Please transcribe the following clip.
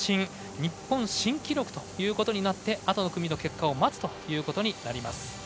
日本新記録ということになってあとの組の結果を待つことになります。